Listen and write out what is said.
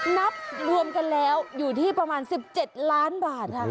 นับรวมกันแล้วอยู่ที่ประมาณ๑๗ล้านบาทค่ะ